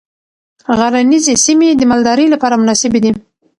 غرنیزې سیمې د مالدارۍ لپاره مناسبې دي.